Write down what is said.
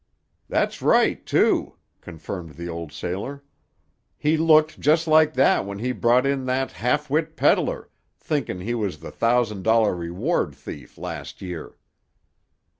"That's right, too," confirmed the old sailor. "He looked just like that when he brought in that half wit pedler, thinkin' he was the thousan' dollar reward thief last year."